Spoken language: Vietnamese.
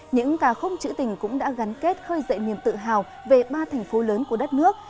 những ca khúc trữ tình cũng đã gắn kết khơi dậy niềm tự hào về ba thành phố lớn của đất nước